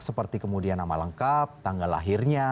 seperti kemudian nama lengkap tanggal lahirnya